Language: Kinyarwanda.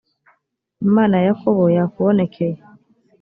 imana ya yakobo yakubonekeye